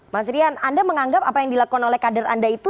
mas rian anda menganggap apa yang dilakukan oleh kader anda itu